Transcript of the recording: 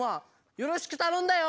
よろしくたのんだよ。